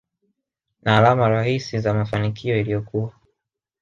na alama rahisi za mafanikio iliyokuwa